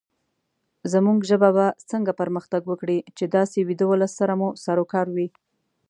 زمونږ ژبه به څنګه پرمختګ وکړې، چې داسې ويده ولس سره مو سروکار وي